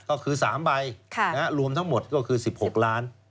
ก็คือสามใบรวมทั้งหมดก็คือสิบหกล้าน